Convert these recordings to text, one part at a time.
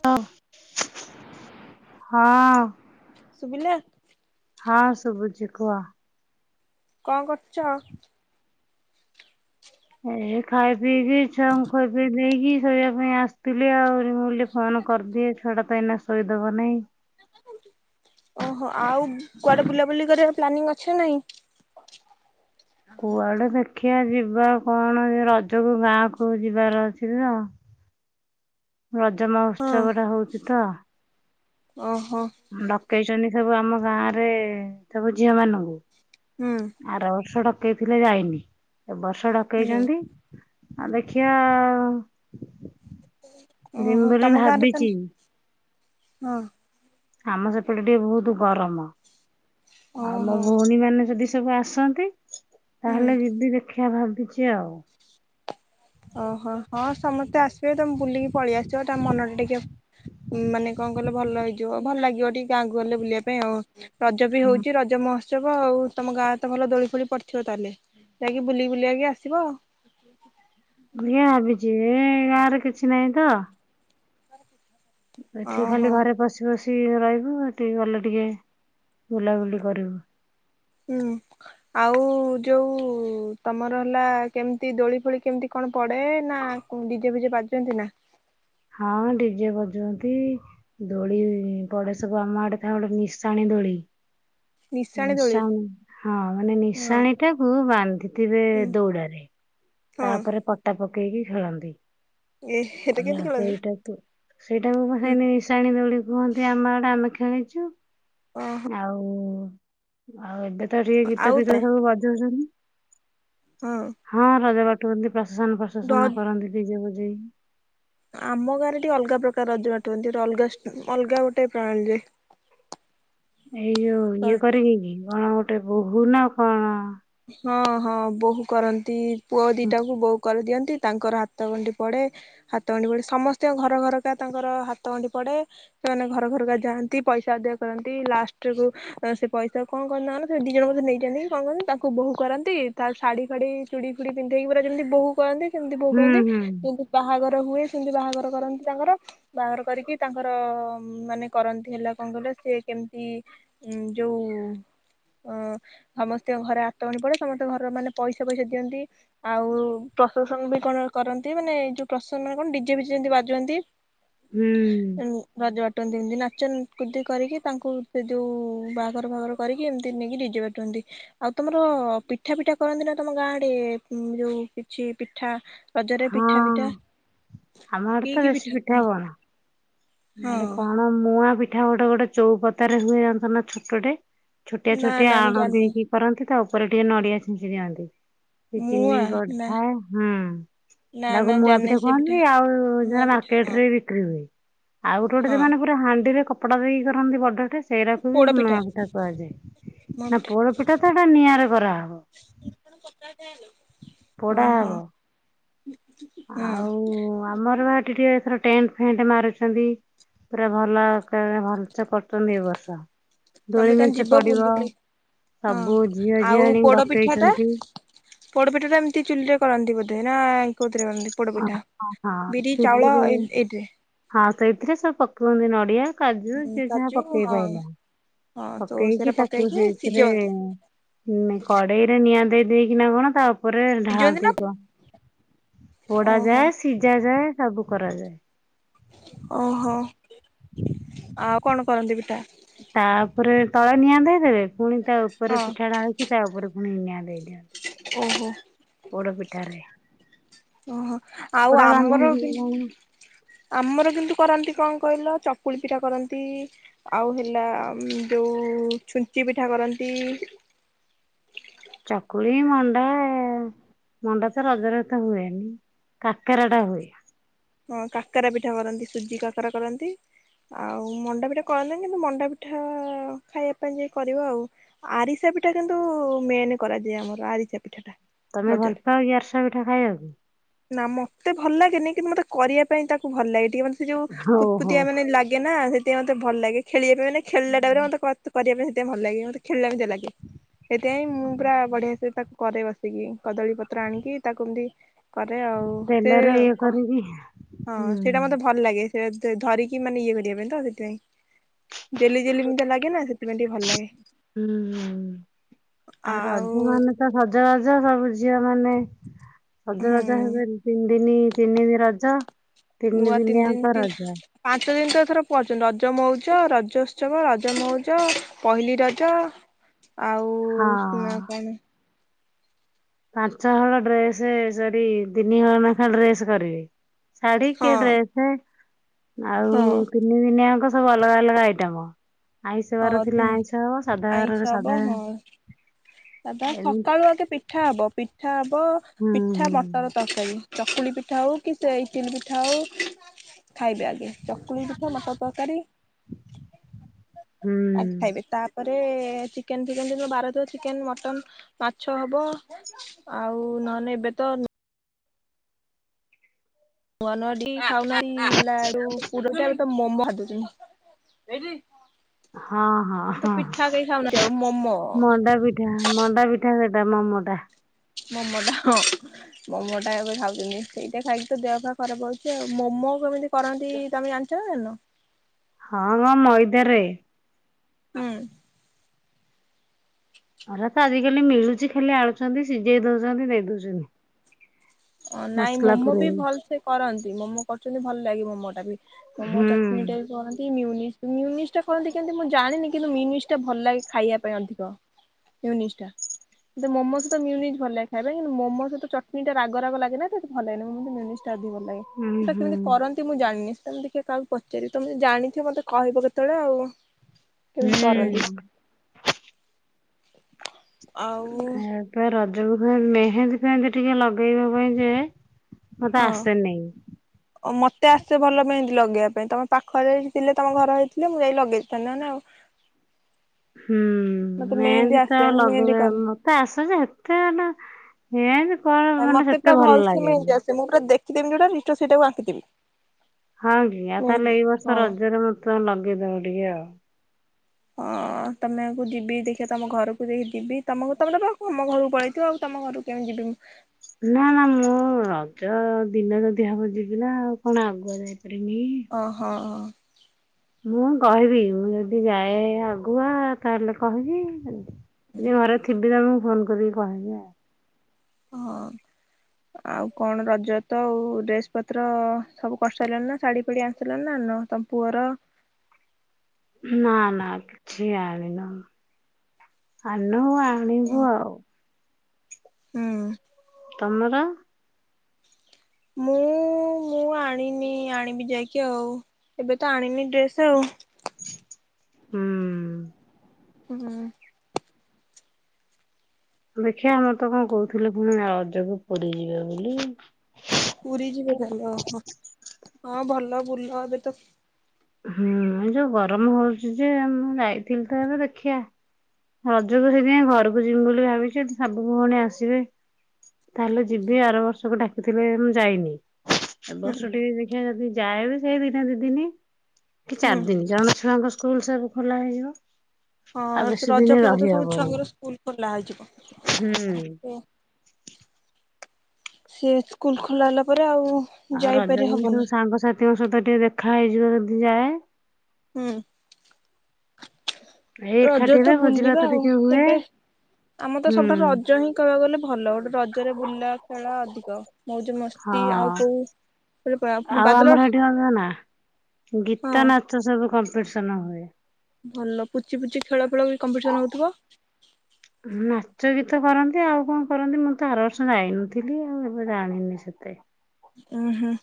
ହଁ ହଁ। ସୁବିଲା ହଁ ସୁବୁଚି କୁହ। କଣ କରୁଛ? ଏ ଖାଇ ପିଇକିଛଆଙ୍କୁ ଖୁଆ ପିଇ ଦେଇକି ଶୋଇବା ପାଇଁ ଆସିଥିଲି ଆହୁରିଁ ଫୋନ କରିଦିଏ ଛୁଆ ଟା ତ ଏଇନା ଶୋଇଦବ ନାହିଁ। ଓହୋ ଆଉ କୁଆଡେ ବୁଲାବୁଲି କର ପ୍ଲାନିଂ ଅଛି ନା ନାହିଁ? କୁଆଡା ଦେଖି ଯେ ଯିବା କଣ ରଜକୁ ଗାଁ କୁ ଯିବାର ଅଛି ତ ରଜ ହଁ ମହୋତ୍ସବ ଟା ହଉଛି ତ। ଓହୋ। ପେଇଛନ୍ତି ସବୁ ଆମ ଗାଁ ରେ ସବୁ ଝିଅ ମାନଙ୍କୁ ହୁଁ ଆର ବର୍ଷଟା ପକେଇଥିଲେ ଯାଇନି। ଏ ବର୍ଷ ହୁଁ ଢକେଇଚନ୍ତି। ଆ ଦେଖିଆ ଆଉ ଓହୋ ତମ [unintelligible] ଗାଁରେ ତ ଭାବିଚି। ହଁ। ଆମ ସେପଟେ ଟିକେ ବହୁତ ଗରମ। ଆଉ ମୋ ଓହୋ ଭଉଣୀ ମାନେ ଯଦି ସବୁ ଆସନ୍ତି ହୁଁ ତାହେଲେ ଯିବି ଦେଖ ଖିଆ ଭାବିଚି ଆଉ। ଓହୋ ହଁ ସମସ୍ତେ ଆସିବେ ତମେ ବୁଲିକି ପଳେଇ ଆସିବ ତା ମନ ଟା ଟିକେ ମ୍ ମାନେ କଣ କଲେ ଭଲ ହେଇଯିବ ଭଲ ଲାଗିବ ଟିକେ ଗାଁକୁ ଗଲେ ବୁଲିବା ପାଇଁ ଆଉ ରଜ ବି ହୁଁ। ହଉଚି ରଜ ମହଚ ଚବ ଆଉ ତମ ଗାଁ ତ ଭଲ ଦୋଳି ଫୋଳି ପଡିଥିବ ତାହେଲେ ଯାଇକି ବୁଲି ବୁଲି ଆକ ଆସିବ। [unintelligible] ଯିଏ ଗାଁରେ କିଛି ନାହିଁ ତ ଏଠି ଖାଲି ଓହୋ ଘରେ ପସି ପସି ସି ରହିବୁ ଟିକେ ଗଲେ ଟିକେ ବୁଲାବୁଲି କରିବୁ। ହୁଁ ଆଉ ଯୋଉ ତମର ହେଲା କେମିତି ଦୋଳି ଫୋଳି କେମିତି କଣ ପଡେ ନା ଡିଜେ ଫିଜେ ବାଜନ୍ତି ନା? ହଁ ଡିଜେ ବଜୁନ୍ତି ଦୋଳି ପଡେ ସବୁ ଆମ ଆଡେ ଥାଏ ଗୋଟେ ନିଶାଣି ଦୋଳି ନିଶାଣି ହଁ ମାନେ ହୁଁ ନିଶାଣି ଟାକୁ ବାନ୍ଧ ନ୍ଧିବେ ଦୌଡାରେ ହଁ ତାପରେ ପଟା ପକେଇକି ଖେଳନ୍ତି। ଏ ହେଟା କେମିତି ଖେଳନ୍ତି? ସେଇଟାକୁ ସେଇଟାକୁ ସେ ହୁଁ। ନିଶାଣି ଦୋଳି କୁହନ୍ତି ଆମ ଆଡେ ଆମେ ଖେ ଜାଣିଚୁ ଓହୋ ଆଉ ଆଉ ଏବେ ତ ଟିକେ ଗୀତ ଆଉ ତା ଫିତ ସବୁ ବଜଉଛନ୍ତି। ହଁ। ରଜ ବାଟୁଅନ୍ତି। ପ୍ରସେସନ ର ଫ୍ରସେସନ କରନ୍ତି ଡି ଜେ ବ ଯେଇ ଆମ ଗାଁରେ ଟିକେ ଅଲଗା ପ୍ରକାର ରଜ ବାଟୁଅନ୍ତି ଅଲଗା ଅଲଗା ଗୋଟେ ପ୍ରଣାଳୀରେ। ଏଇ ଯୋଉ ଇଏ କରିକି କି କଣ ଗୋଟେ ବୋହୁ ନା କଣ ହଁ ହଁ ବୋହୁ କରନ୍ତି। ପୁଅ ଦିଟାକୁ ବୋହୁ କରିଦିଅନ୍ତି ତାଙ୍କର ହାତ ଗଣ୍ଠି ପଡେ ହାତ ଗଣ୍ଠି ପଡେ ସମସ୍ତିଙ୍କ ଘର ଘରକା ତାଙ୍କର ହାତ ଗଣ୍ଠି ପଡେ ସେମାନେ ଘର ଘରକା ଯାଆନ୍ତି ପଇସା ଅଦାୟ କରନ୍ତି ଲାଷ୍ଟ କୁ ସେ ପଇସାକୁ କଣ କରନ୍ତି ଦି ଜଣଙ୍କ ସେ ନେଇଯାନ୍ତି କଣ କରନ୍ତି ତା କୁ ବୋହୂ କରନ୍ତି ତା ଶାଢୀ ଫାଢୀଇ ଚୁଡ଼ି ଚୁଡି ପିନ୍ଧେଇକି ପୁରା ଯେମିତି ବୋହୂ କରନ୍ତି ସେମିତି ବୋହୂ ହୁଁ କରନ୍ତି ହୁଁ ଯେମିତି ବାହାଘର ହୁଏ ସେମିତି ବାହାଘର କରନ୍ତି ତାଙ୍କର ବାହାଘର କରିକି ତାଙ୍କର ମାନେ କରନ୍ତି ହେଲା କଣ କହିଲ ସେ କେମିତି ଯୋଉ ସମସ୍ତଙ୍କ ଘରେ ବର୍ତ୍ତ ପଡେ ସମସ୍ତେ ଘରର ମାନେ ପଇସା ପଇସା ଦିଅନ୍ତି ଆଉ ପ୍ରସେସନ ବି କଣ କରନ୍ତି ମାନେ ଯୋଉ ପ୍ରସେସନ ମାନେ କଣ ଡିଜେ ବିଜେ ଯେମିତି ବାଜନ୍ତି, ହୁଁ ରଜ ଟନ୍ତି ଏମିତି ନାଚ କୁଦି କରିକି ତାଙ୍କୁ ସେ ଯେଉ ବାହାଘର ଫାଘର କରିକି ଏମିତି ନେଇକି ଡିଜେ ବାଟନ୍ତି ଆଉ ତମର ପିଠା ଫିଠା କରନ୍ତି ନା ତମ ଗାଁଡେ ଯୋଉ କିଛି ପିଠା ରଜରେ ପିଠା ହଁ ଫିଠା ଆମ ଆଡେ ତ ବେଶୀ ପିଠା ହଉନା ଆମ ହଁ ଆଡ଼େ କଣ ମୁଆଁ ପିଠ ଏଠା ଗୋଟେ ଗୋଟେ ଚଉପାତାରେ ହୁଏ ଯାଣିନ୍ତନା ଛୋଟଟେ ଛୋଟିଆ ନା ଛୋଟିଆ ନା ମୁଁ ଆଣ ଜାଣିନି। ଦେଇକି କରନ୍ତି, ତା ଉପରେ ଟିକେ ନଡିଆ ଛିଞ୍ଚି ଦିଅନ୍ତି। ସେ ଚିନି ମୁଆଁ ନା ପଡିଥାଏ ହୁଁ ନା ନା ତାକୁ ମୁୂଆ ଜାଣିନି ପିଠା ସେ କୁହନି ଆଉ ମୁଆଁ ଜ ପିଠା ମାର୍କେଟ ହଁ ରେ ବିକ୍ରି ହୁଏ। ଆଉ ଗୋ ଗୋଟେ ସେ ହଁ ମମାନେ ପୁର ହାଣ୍ଡିରେ କପଡ଼ା ଦେଇକ କରନ୍ତି ବର୍ଡ଼ରଟେ ସେଇଟାକୁ ବି ମ ପିଠା କୁହାଯାଏ ନା ପୋଡ ପିଠା ତ ଏଇଟା ନିଆରା ବରାବ [inaudible] ଏ ପକା ପୋଡା ହବ ହୁଁ ଆଉ ଆମର ବାଟି ଟିକେ ଏଥର ଟେଣ୍ଟ ଫେଣ୍ଟ ମାରୁଛନ୍ତି ପୁରା ଭଲ ଭଲସ କରୁଛନ୍ତି ଏ ବର୍ଷ ଦୋଳି ତମେ ତାମେ ମେଞ୍ଚେ ଯିବ ପଡିବ ବୁଲ ହଁ ସବୁ ଝିଅ ଆଉ ଝିଆଣି ପୋଡପିଠା ଟା ଡକେଇଛନ୍ତି। ପୋଡପିଠା ଟା ଏମିତି ଚୁଲିରେ କରନ୍ତି ବୋଧେ ନା ହଁ ପୋଡ଼ପିଠା ହଁ ବିରି ଚାଉଳ ଚୁଲିରେ ଏଇଠି ହଁ ସେଇଥିରେ ସବ ପକେଇନ୍ତି ନଡିଆ କାଜୁ ହୁଁ ଯି ଯାହା କାଜୁ ପକେଇ ହଁ ପାରଲା ହଁ ତ ସେରା ପକେଇକି ତାକୁ ସେଇଥିରେ ସିଝନ୍ତି କଡେଇରେ ନିଆଁ ଦେଇ ଦେଇକିନା କଣ ତା ଉପ ସିଝନ୍ତି ନା ଢାନ୍ତି କ ପଡା ଓହୋ ଯାଏ ସିଝା ଯାଏ ସବୁ କରାଯାଏ। ଓହୋ ଆଉ କଣ କରନ୍ତି ବିଟା ତାପରେ ତଳେ ନିଆଧ ହେଦେବେ ପୁଣି ତା ଉପରେ ହଁ ପିଠାଢାଳକି ତା ଉପରେ ଫୁଣି ନିଆ ଓହୋ ପଡ ପିଠାରେ ଓହୋ, ଆଉ କପଡା ଆମର ବାନ୍ଧନ୍ତି କି କଣ ଆମର କିନ୍ତୁ, କରନ୍ତି କଣ କହିଲ ଚକୁଳି ପିଠା କରନ୍ତି ଆଉ ହେଲା ଯୋଉ ଛୁଞ୍ଚି ପିଠା କରନ୍ତି, କଳି ମଣ୍ଡା ମଣ୍ଡା ତ ରଜ ର ତ ହୁଏନି କାକେରା ଟା ହୁଏ ହଁ କାକରା ପିଠା କରନ୍ତି ସୁଜି କାକରା କରନ୍ତି ଆଉ ମଣ୍ଡାପିଠା କରନ୍ତି କିନ୍ତୁ ମଣ୍ଡା ପିଠା ଖାଇବା ପାଇଁ ଯ କରିବ ଆଉ ଆରିସା ପିଠା କିନ୍ତୁ ମେନ୍ କରାଯାଏ ଆମର ଆରିସା ପିଠାଟା ତମେ ଭଲ ରଜରେ ପାଅ କି ଆରସ ପିଠା ଖାଇବାକୁ ନା ମତେ ଭଲ ଲାଗେନି କିନ୍ତୁ ମୋତେ କରିବା ପାଇଁ ତାକୁ ଭଲ ଲାଗେ ଟିକେ ମାନେ ସେ ଯୋଉ ହଉ ହଉ। ପୁପୁତିଆ ମାନେ ଲାଗେ ନା ସେ ମତେ ଭଲ ଲାଗେ। ଖେଳିବା ପାଇଁ ମାନେ ଖେଳିଲା ଟାଇମ ରେ କରିବା ପାଇଁ ତ ଭଲ ଲାଗିବ ଦେଖି। ଖେଳିଲାତି ଲାଗେ ସେଥିପାଇଁ ମୁଁ ପୁରା ବଢିଆ ସେ ତାକୁ କରାଇ ବସି। ସେ କଦଳୀ ପତ୍ର ଆଣିକି ତାକୁ ଏମତି କରେ ଆଉ ସେ ତେଲରେ ଇଏ କ କରିକି ହଁ ହୁଁ ସେଇଟା ମତେ ଭଲ ଲାଗେ। ଧରିକି ମାନେ ଇଏ କରିବା ପାଇଁ ତ ସେଥିପାଇଁ। ଜେଲି ଜେଲି ଏମିତି ଲାଗେ ନା ସେଥିପାଇଁ ଟିକେ ଭଲ ଲାଗେ ହୁଁ ଆଉ ରଜ ମାନ ତ ସଜବାଜ ସବୁ ଝିଅ ମାନେ। ସଜ ହୁଁ ବାଜ ହେବେ ତିନି ଦିନି ତିନି ଦ ରଜ ତିନି ଦିନ ଆଙ୍କ ରଜ। ର ପଛନ୍ତି ରଜ ମଉଜ ରଜ ଉତ୍ସବ ରଜ ମଉଜ ପହିଲି ରଜ ହଁ। ଆଉ ନା କଣ? ପାଞ୍ଚ ହଳ ଡ୍ରେସ ସରି ତିନି ହଳ ନେଖା ଡ୍ରେସ କରିବେ। ଶାଢି ହଁ କିଏ ଡ୍ରେସ୍, ଆଉ ହଁ ତିନି ଦିନିଆଙ୍କ ସବୁ ଅଲଗା ଅଲଗା ଆଇଟମ୍। ଆଇଁଷବାର ଥିଲା ହଁ ଆଇଁଷ ଆଇଁଷ ସାଧାର ହବ ସାଧା ହଁ ସାଧା ଏମିତି ସକାଳୁ ଆଗେ ପିଠା ହବ ପିଠା ହବ ହୁଁ ପିଠା ହୁଁ। ମଟର ତରକାରି। ଚକୁଳି ପିଠା ହଉ କି ସେ ଇଟିଲି ପିଠା ହଉ ଖାଇବେ ଆଗ ଚକୁଳି ପିଠା ମଟର ତରକାରୀ। ହୁଁ ଆ ଖାଇବେ ତା, ତାପରେ ଚିକେନ୍ ଫିକେନ୍ ଯେ ବାରଥିବ ଚିକେନ୍ ମଟନ୍ ମାଛ ହବ ଆଉ ନହଲେ ଏବେ ତ ନୁଆ ନୁଆଡି ଖାଉନା ହେଲା ଏ ପୁର ମୋମ ହ ଦୁ ହେଇଟି ହଁ ହଁ ହଁ ଖାଉନାହାନ୍ତି ଆଉ ମୋମୋ ମଣ୍ଡା ପିଠା ମଣ୍ଡା ପିଠା ସେଟା ମମୋ ବା ମୋମୋ ଟା ହଁ ମୋମୋ ଟା ଏବେ ଖାଉଛନ୍ତି ସେଇଟା ଖାଇକି ତ ଦେହ ଖା ଖରାପ ହଉଛି ଆଉ ମୋମୋ କେମିତି କରନ୍ତି ତମେ ଜାଣିଛ ନା ଜାଣିନ ହଁ ହଁ ମଇଦାରେ ହୁଁ। ଆରେ ତ ଆଜିକାଲି ମିଳୁଛି ଖାଲି ଆନୁଛନ୍ତି ସିଝେଇ ଦଉଚନ୍ତି ଦେଇ ଦଉଚନ୍ତି। ଅ ନାଇଁ ମୋମୋ ବି ଭଲସେ କରନ୍ତି ମୋମୋ [unintelligible] ଭଲ ଲାଗିବ ମୋ ମୋଟା ବି ମୋମୋ ହୁଁ। ଚଟଣିୀ ଟା ବି କହନ୍ତି ମିଉନି ମି ମିୟୁନିଜ ତ କେମିତି କରନ୍ତି ମୁଁ ଜାଣିନି କିନ୍ତୁି ଭଲ ଲେ ଖାଇବା ପାଇଁ ଅଧିକ ମିୟୁନିଜ୍ ଟା ମୋମୋ ସହିତ ମିୟୁନିଜ ଟା କିନ୍ତୁ ମୋମୋ ସହିତ ଚଟନି ଟା ରାଗ ରାାଗେ ନାତ ଭଲନ ମୁଁ ଭଲ ଲାଗେ ଉଁ ସେଟା ହୁଁ। କେମିତି କରନ୍ତି ମୁଁ ଜାଣିନି ତମ ଟିକେ କାହାକୁ ପଚାରି ତମେ ଜଣିଥିବ ମୋତେ କହିବ କେତେବେଳେ ଆଉ। କେମିତି କରନ୍ତି ହୁଁ। [inaudible] [unintelligible] ପେ ଏବେ ର ଯୋ ମେହେନ୍ଦୀ ଫେହେନ୍ଦୀ ଟିକେ ଲଗେଇବା ପାଇଁ ଯାଏ ହଁ ମତେ ଆସେ ଭଲ ପାଇଁ ଲଗେଇବା ପାଇଁ ତମ ପାଖରେ ଥିଲେ ତମ ଘର ହେଇଥିଲେ ମୁଁ ଯାଇ ଲଗେଇଥାିହଲେ ଆଉ। ହୁଁ ମତେ ମେହେନ୍ଦୀ ମେହନ୍ଦୀ ତ ଆସେ ମୁଁ ମେହେନ୍ଦୀ ଲଗେଇ କରେ। ମତେ ଆସ ଯେ ଏତେଲା ହେ ାଇ ମତେ ପୁରା ଭଲ ସିମ ହେ ଆସେ ମୁଁ ପୁରା ଦେଖି କି ଯୋଉଟା ରିଷ୍ଟ ସେଇଟାକୁ ଆଙ୍କିଥିବି ହଁ କି ଆଉ ତାହେଲେ ଏଇ ବର୍ଷ ରଜରେ ମୁଁ ତ ଲଗେଇଦବ ଟିକେ ଆଉ ହଁ ତମେକୁ ଯିବି ଦେଖ ତମ ଘରକୁ ଦେଖି ଯିବି ତମକୁ ତମର ତମ ଘରକୁ ପଳେଇଥିବ ଆଉ ତମ ଘରକୁ କେମିତି ଯିବି ମୁଁ ନା ନା ମୁଁ ରଜ ଦିନ ଯଦି ହବ ଯିବି ନା ଆଉ କଣ ଆଗୁଆ ଯାଇଥିଲ। ଓ ହୋ। ମୁଁ କହିବି ମୁଁ ଯଦି ଯାଏ ଆଗୁଆ ତାହେଲେ କହିବି ମର ତମକୁ ଫୋନ କରିକି କହେ ଯେ ହଁ ଆଉ କଣ ରଜତ ଆଉ ଡ୍ରେସ୍ ପତ୍ର ସବୁ କରିସାରିଲଣି ନା ଶାଢୀ ଫିଡି ଆଣିସିଲଣି ନା ତମ ପୁଅର ନା ନା କିଛି ଆଣି ନ ଆନୁ ଆାଣିବୁ ଆଉ ହୁଁ। ତମରା ମୁଁ ମୁଁ ଆଣିନି ଆଣିବି ଯାଇକି ଆଉ ଏବେ ତ ଆଣିନି ଡ୍ରେସ ଆଉ ହୁଁ, ହୁଁ, ଦେଖିବା ମମର ତ କଣ କହୁଥିଲେି ପୁଣି ରଜକୁ ପଡିଯିବ ବୋଲି। ପୁରୀ ଯିବ ଓହୋ, ହଁ ଭଲ ବୁଲ ଏବେତ ହୁଁ ଯୋଉ ଗରମ ହଉଛି ଯେ ମୁଁ ଯାଇଥିଲି ତ ଏବେ ଦେଖିବା। ରଜକୁ ସେଥିପାଇ ଘରକୁ ଯମି ବୋଲି ଭାବିଛି ସବୁ ଭଉଣୀ ଆସିବେ ତାହେଲେ ଯିବି ଆର ବର୍ଷକୁ ଡାକିଥିଲେ ମୁଁ ଯାଇନି। ଏ ହୁଁ ବର୍ଷ ଟିକେ ଦେଖିବା ଯଦି ଯାଏବ ସେଇ ଦିନେ ଦିଦିନି କି ହୁଁ ଚାରି ଦିନ କାରଣ ଛୁଆଙ୍କ ସ୍କୁଲ ସବୁ ଖୋଲା ହେଇଯିବ। ହଁ ଆଉ ବେଶୀ ରଜ ଦିନି ଫଳ ତ ରହି ସବୁ ହବନି। ଛୁଆଙ୍କର ସ୍କୁଲ ଖୋଲା ହୁଁ ହେଇଯିବ। ସ୍କୁଲ ଖୋଲା ହେଲା ପରେ ଆଉ ଆଉ ଯାଇପାରି ହବନି। ଖାଇଯିବା ଯଦି ଯାଏ। ହୁଁ, ଏଇ ରଜ ଏକାଠି ତ ହେବେ ଭୋଜି ବୁଲିବା ଭାତ ଆଉ ଟିକେ ହୁଏ ଏବେ ଆମର ତ ହୁଁ ସବୁଠାରୁ ରଜ ହିଁ କହିବାକୁ ଗଲେ ଭଲ ଗୋଟେ ରଜରେ ବୁଲା ଖେଳା ଛି [inaudible] ହଁ ପୁଣି ଆଉ ବାଦଲ ଆମର ଏଠି ଅଗ ନା ହଁ ଗୀତ ନାଚ ସବୁ କର ଫର୍ସ ନ ହୁଏ। ଭଲ ପୁଚି ପୁଚି ଖେଳ କମ୍ପିଟିସନ ହେଉଥିବ। ତେ କରନ୍ତି ଆଉ କଣ କରନ୍ତି ମୁଁ ତ ଆର ବର୍ଷ ଯାଇନଥିଲି ଆଉ ଏବେ ଜାଣିନି ସେତେ। ଉ ହୁଁ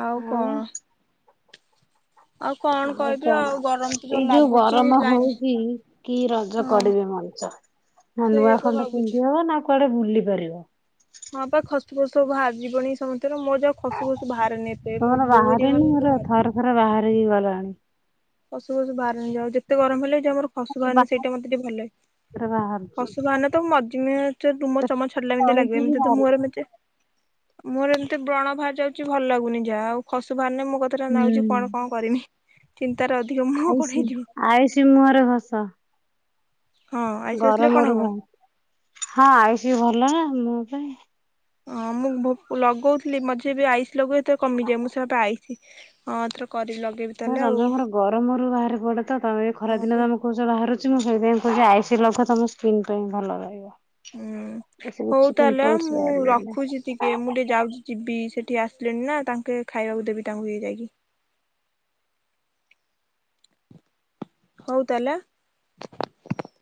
ଆଉ କଣ? ଆଉ କଣ ଆଉ କହିବି କଣ ଗରମ ତ ଏଇ ଯୋଉ ଲାଗୁଛି ଗରମ ଲାଇନ ହଉଛି କି ରଜ ହଁ କରିବେ ମଣିଷ ନା ସେଇଆ ନୂଆ ପା ଖଣ୍ଡ ଭାବୁଛି। ପିନ୍ଧି ହବ ନା କୁଆଡେ ବୁଲି ପାରିବ। ଫସୁ ବାହାର ଯିବନି ସମସ୍ତେ ର ମୋ ଯା ଖସୁ ଖସୁ ବାହାରେନି ଏତେ ମୋ ତମର ବୋଉ ଦ ବାହାରିନି ମୋର ହେ ବା ଥରେ ଥରେ ବାହାରିକି ଗଲାଣି। ଅସୁ ଅସୁ ବାହାରାରେି ଯାଉ ଯେତେ ଗରମ ହେଲେ ବି ଯ ଆମର ପଶୁ ବାହାନ ସେଇଟା ମତେ ଟିକେ ଭଲ ରେ ବାହାରୁଛି ପଶୁ ବାହାନ ତ ମଝି ରୁମ ପେଟ ଚମଚ ଛରିଲା ଏମିତି ହଉଛି ଲାଗିବ ବି ଏମିତି ତ ବାହାରୁଛି। ମୁହରେ ମେ ମୋର ଏମିତି ବ୍ରଣ ବାହାର ଯାଉଛି ଭଲ ଲାଗୁନି ଯାହା ଆଉ ଖସୁ ବାହାରିଲେ ମୁଁ କଥା ଟା ନଉଛିୁ କଣ କଣ କରିମି ଚିନ୍ତାରେ ଅଧିକ ମୁହଁ କଣ ଆଇଷ ହେଇଯିବ ଆଇଷି ମୁହଁରେ ଘସ ହଁ ଆଇସ୍ ଆସିଲେ କଣ ଗରମରୁ ହବ? ଭ ହଁ ଆଇଷ ବି ଭଲ ନା ମୋ ପାଇଁ ହଁ ମୁଁ ଲଗଉଥିଲି ମଝେ ବି ଆଇସ୍ ଲଗେଇଥିଲି। ତ କମିଯା ମୁଁ ସେ ପାଇଛି। ଥି ହଁ ଏଥରକ ହ ଚନ୍ଦ୍ର ମୋର ଗରମ ରରୁ ବାହାରାରେ ପଡେ ତମେ ଖରା ହଁ ଦିନ ପା। ତମେ କହୁଛ ବାହାରୁଛି ମୁଁ ସେଇଥି ତ ଆଇସି ଲଗ ତମ ସ୍କ୍ରିିନ ପାଇଁ ଭଲ ରହିବ। ହୁଁ ଏଥିରେ ହଉ କିଛି ତାହେଲେ ପିମ୍ପଲ୍ସ ମୁଁ ବାହାରିବନି। ରଖୁଛି ଟିକେ ମୁଁ ଟିକେ ଯାଉଛି ଯିବି। ଟିକେ ଆସିଲେଣି ନା ତାଙ୍କେ ଖାଇବାକୁ ଦେବି ତାଙ୍କୁ ଇଏ ଯାଇକି। ହଉ ତାହେଲା ଆ।